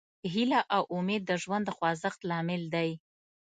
هیله او امید د ژوند د خوځښت لامل دی.